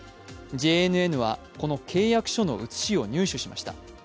ＪＮＮはこの契約書の写しを入手しました。